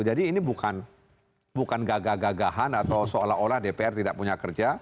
jadi ini bukan gagah gagahan atau seolah olah dpr tidak punya kerja